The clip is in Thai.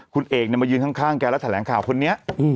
คุณเอกมายืนข้างแกแล้วแถลงข่าวคนนี้